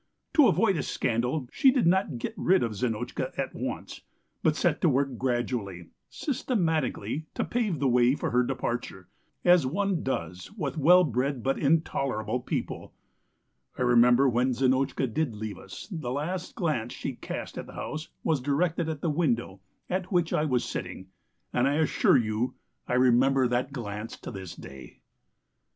To avoid a scandal she did not get rid of Zinotchka at once, but set to work gradually, systematically, to pave the way for her departure, as one does with well bred but intolerable people. I remember that when Zinotchka did leave us the last glance she cast at the house was directed at the window at which I was sitting, and I assure you, I remember that glance to this day.